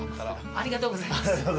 ありがとうございます。